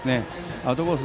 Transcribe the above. アウトコース